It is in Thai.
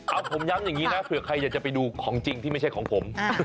เอาผมย้ำอย่างนี้นะเผื่อใครอยากจะไปดูของจริงที่ไม่ใช่ของผม